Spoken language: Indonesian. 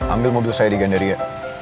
ambil mobil saya di gandaria